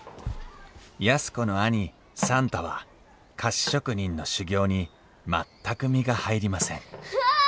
安子の兄算太は菓子職人の修業に全く身が入りませんわあ！